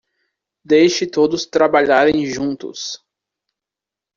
Deixe todos trabalharem juntos